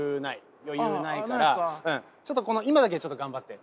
余裕ないからちょっと今だけちょっと頑張って。